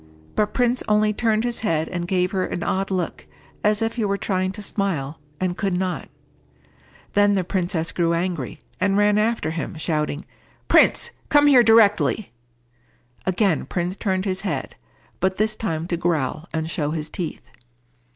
But Prince only turned his head and gave her an odd look, as if he were trying to smile, and could not. Then the princess grew angry, and ran after him, shouting, "Prince, come here directly." Again Prince turned his head, but this time to growl and show his teeth.